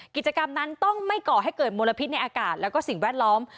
กิจกรรมนั้นต้องไม่ก่อให้เกิดมลพิษในอากาศแล้วก็สิ่งแวดล้อม